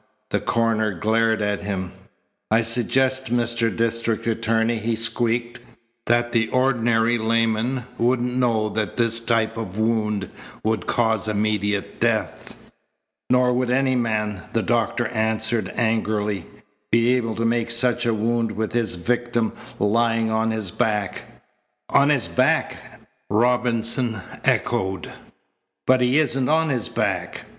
The coroner glared at him. "I suggest, Mr. District Attorney," he squeaked, "that the ordinary layman wouldn't know that this type of wound would cause immediate death." "Nor would any man," the doctor answered angrily, "be able to make such a wound with his victim lying on his back." "On his back!" Robinson echoed. "But he isn't on his back."